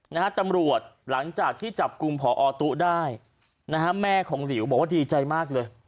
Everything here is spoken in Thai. นะฮะตำรวจหลังจากที่จับกลุ่มผอตุ๊ได้นะฮะแม่ของหลิวบอกว่าดีใจมากเลย